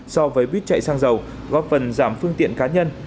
so với buýt chạy sang dầu góp phần giảm phương tiện cá nhân